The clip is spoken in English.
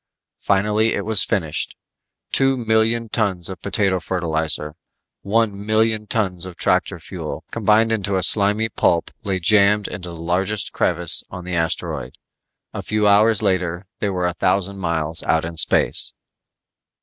Finally it was finished. Two million tons of potato fertilizer, one million tons of tractor fuel combined into a slimy pulp lay jammed into the largest crevice on the asteroid. A few hours later they were a thousand miles out in space.